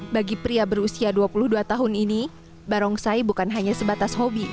bagi pria berusia dua puluh dua tahun ini barongsai bukan hanya sebatas hobi